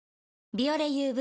「ビオレＵＶ」